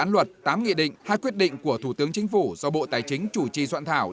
một mươi luật tám nghị định hai quyết định của thủ tướng chính phủ do bộ tài chính chủ trì soạn thảo